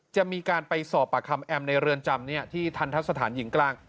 จะมีการไปสอบปากคำแอมในเรือนจำที่ทันทะสถานหญิงกลาง